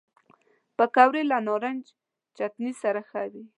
پکورې له نارنج چټني سره ښه وي